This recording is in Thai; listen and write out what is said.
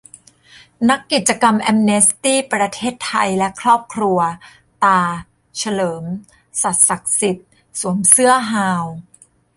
นักกิจกรรมแอมเนสตี้ ประเทศไทย และครอบครัว"ตาร์"เฉลิม สัตย์ศักดิ์สิทธิ์ สวมเสื้อฮาว